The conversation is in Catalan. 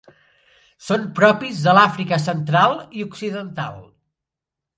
Són propis de l'Àfrica central i occidental.